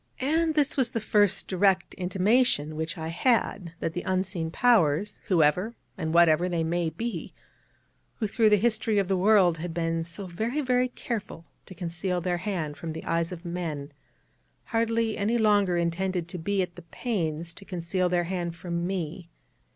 And this was the first direct intimation which I had that the Unseen Powers (whoever and whatever they may be), who through the history of the world had been so very, very careful to conceal their Hand from the eyes of men, hardly any longer intended to be at the pains to conceal their Hand from me.